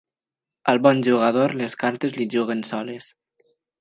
Al bon jugador les cartes li juguen soles.